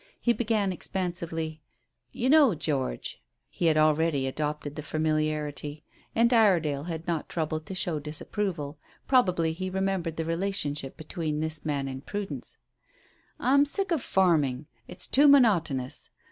He began expansively "You know, George," he had already adopted the familiarity, and Iredale had not troubled to show disapproval, probably he remembered the relationship between this man and Prudence, "I'm sick of farming. It's too monotonous.